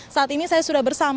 saat ini saya sudah bersama